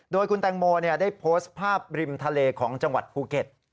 โดยคุณแตงโมได้โพสต์ภาพริมทะเลของจังหวัดภูเก็ต